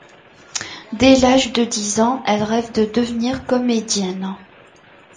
Dès l'âge de dix ans, elle rêve de devenir comédienne.